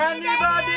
susah banget sih